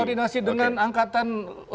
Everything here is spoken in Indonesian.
koordinasi dengan angkatan